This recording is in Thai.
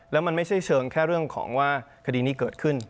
แล้วมันไม่ใช่เชิงแค่เรื่องของว่าคดีนี้เกิดขึ้น